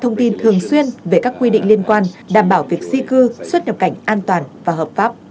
thông tin thường xuyên về các quy định liên quan đảm bảo việc di cư xuất nhập cảnh an toàn và hợp pháp